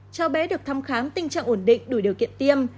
cháu bé được thăm khám tình trạng ổn định đủ điều kiện tiêm